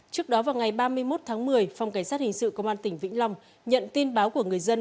trước đó vào ngày ba mươi một tháng một mươi phòng cảnh sát hình sự công an tỉnh vĩnh long nhận tin báo của người dân